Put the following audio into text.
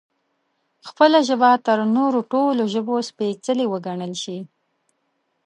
خپله ژبه تر نورو ټولو ژبو سپېڅلې وګڼل شي